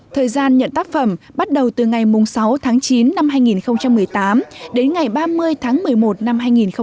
thời gian nhận tác phẩm bắt đầu từ ngày sáu tháng chín năm hai nghìn một mươi tám đến ngày ba mươi tháng một mươi một năm hai nghìn một mươi chín